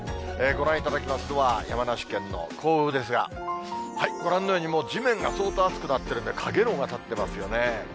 ご覧いただきますのは山梨県の甲府ですが、ご覧のように、もう地面が相当暑くなってるんで、かげろうが立ってますよね。